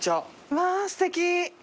うわーすてき！